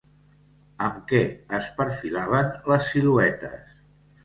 Amb què es perfilaven les siluetes?